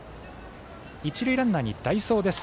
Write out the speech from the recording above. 一塁ランナーに代走です。